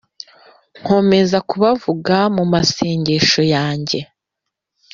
Nkomeza kubavuga mu masengesho yanjye